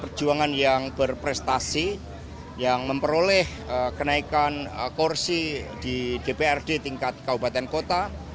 perjuangan yang berprestasi yang memperoleh kenaikan kursi di dprd tingkat kabupaten kota